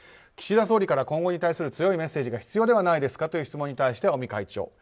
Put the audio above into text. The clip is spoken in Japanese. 岸田総理から今後に対する強いメッセージが必要ではないですかという質問に対して、尾身会長。